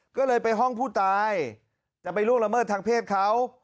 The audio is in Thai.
ก็เลยไปห้องผู้ตายจะไปล่วงละเมิดทางเพศเขา